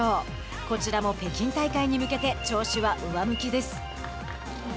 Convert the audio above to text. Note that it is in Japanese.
こちらも北京大会に向けて調子は上向きです。